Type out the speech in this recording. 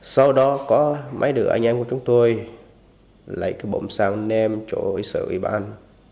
sau đó có mấy đứa anh em của chúng tôi lấy cái bộng xào nêm chỗ sở ủy ban